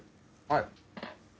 はい。